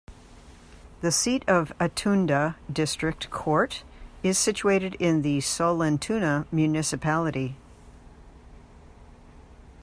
The seat of Attunda district court is situated in Sollentuna Municipality.